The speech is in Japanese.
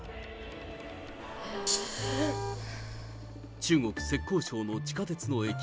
中国・浙江省の地下鉄の駅。